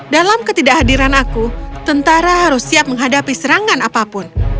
dalam ketidakhadiran aku tentara harus siap menghadapi serangan apapun